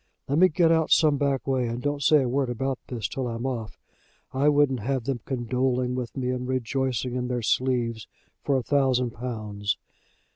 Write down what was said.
"Let me get out some back way, and don't say a word about this till I'm off. I wouldn't have them condoling with me, and rejoicing in their sleeves, for a thousand pounds.